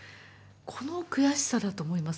この悔しさだと思いますね。